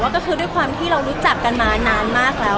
ก็คือด้วยความที่เรารู้จักกันมานานมากแล้ว